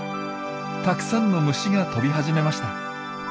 たくさんの虫が飛び始めました。